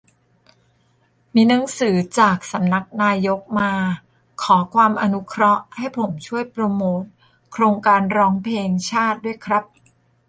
มีหนังสือจากสำนักนายกมา "ขอความอนุเคราะห์" ให้ผมช่วยโปรโมตโครงการร้องเพลงชาติด้วยครับ -"